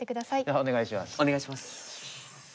お願いします。